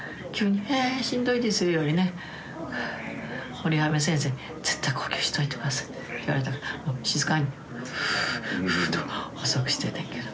堀浜先生に「絶対呼吸しといてください」言われたから静かにフーフーと細くしててんけど。